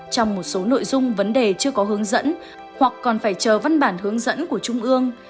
trong một số nội dung vấn đề chưa có hướng dẫn hoặc còn phải chờ văn bản hướng dẫn của trung ương